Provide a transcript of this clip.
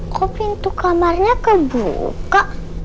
kok pintu kamarnya kebuka